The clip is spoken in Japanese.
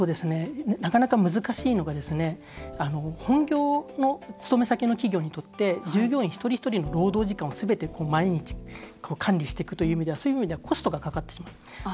なかなか、難しいのが本業の勤め先の企業にとって従業員の一人一人の労働時間を毎日管理していくのはコストがかかってしまう。